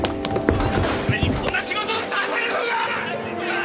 俺にこんな仕事をさせるのか！？